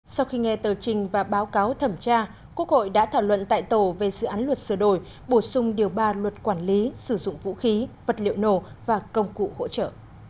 sau khi nghe tờ trình và báo cáo thẩm tra quốc hội đã thảo luận tại tổ về dự án luật sửa đổi bổ sung điều ba luật quản lý sử dụng vũ khí vật liệu nổ và công cụ hỗ trợ